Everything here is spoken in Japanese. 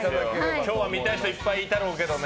今日は見たい人いっぱいいたろうけどね。